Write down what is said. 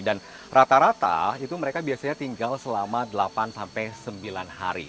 dan rata rata itu mereka biasanya tinggal selama delapan sampai sembilan hari